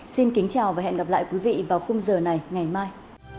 xin kính chào và hẹn gặp lại quý vị vào khung giờ này ngày mai